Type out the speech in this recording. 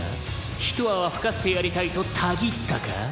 「一泡吹かせてやりたいとたぎったか？」